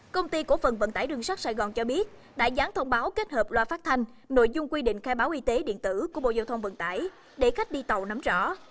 công ty cổ phần vận tải đường sắt sài gòn cho biết đã gián thông báo kết hợp loa phát thanh nội dung quy định khai báo y tế điện tử của bộ giao thông vận tải để khách đi tàu nắm rõ